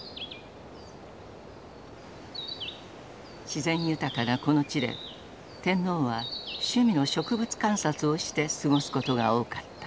自然豊かなこの地で天皇は趣味の植物観察をして過ごすことが多かった。